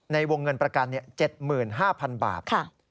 ในวงเงินประกัน๗๕๐๐๐บาท